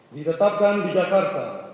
ditetapkan di jakarta